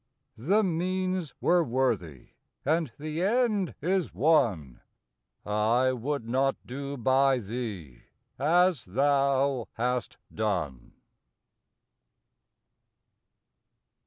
The means were worthy, and the end is won I would not do by thee as thou hast done!